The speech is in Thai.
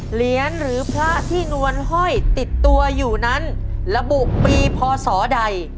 เหรียญหรือพระที่นวลห้อยติดตัวอยู่นั้นระบุปีพศใด